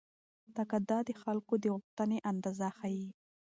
تقاضا د خلکو غوښتنې اندازه ښيي.